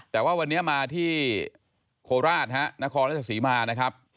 แต่ว่าวันนี้มาที่โคราชฮะนครราชศรีมานะครับ